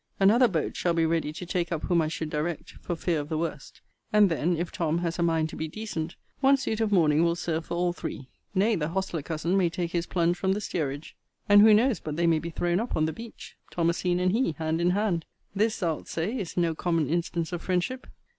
Another boat shall be ready to take up whom I should direct, for fear of the worst: and then, if Tom. has a mind to be decent, one suit of mourning will serve for all three: Nay, the hostler cousin may take his plunge from the steerage: and who knows but they may be thrown up on the beach, Thomasine and he, hand in hand? This, thou'lt say, is no common instance of friendship.